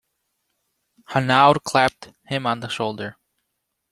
Hanaud clapped him on the shoulder.